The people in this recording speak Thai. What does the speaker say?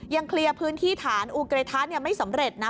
เคลียร์พื้นที่ฐานอูเกรทะไม่สำเร็จนะ